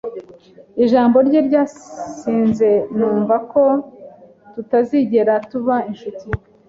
Ijambo rye ryansize numva ko tutazigera tuba inshuti.